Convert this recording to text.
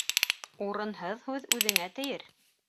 Урынһыҙ һүҙ үҙеңә тейер.